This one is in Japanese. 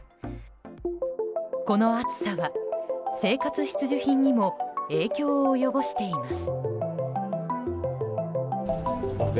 この暑さは生活必需品にも影響を及ぼしています。